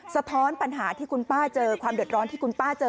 สะท้อนปัญหาที่คุณป้าเจอความเดือดร้อนที่คุณป้าเจอ